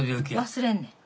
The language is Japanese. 忘れんねん。